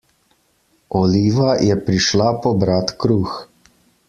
Oliva je prišla pobrat kruh.